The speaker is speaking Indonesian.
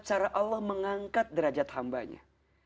cara allah mengangkat derajat hambanya